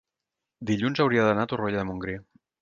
dilluns hauria d'anar a Torroella de Montgrí.